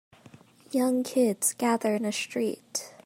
Young kids gather in a street.